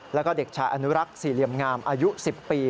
แล้วก็เด็กชายอนุรักษ์สี่เหลี่ยมงามอายุ๑๐ปี